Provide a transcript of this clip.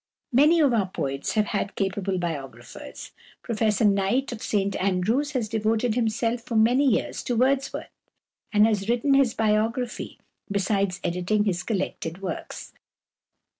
Many of our poets have had capable biographers. Professor Knight of St Andrews has devoted himself for many years to Wordsworth, and has written his biography besides editing his collected works.